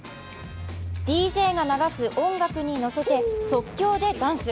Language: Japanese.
ＤＪが流す音楽に乗せて、即興でダンス。